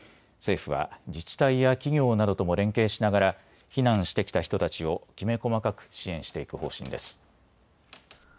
政府は自治体や企業などとも連携しながら避難してきた人たちをきめ細かく支援していく方針です。